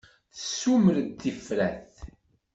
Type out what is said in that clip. Tessumer-d tifrat.